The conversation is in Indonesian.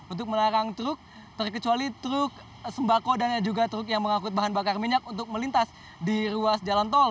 untuk melarang truk terkecuali truk sembako dan juga truk yang mengangkut bahan bakar minyak untuk melintas di ruas jalan tol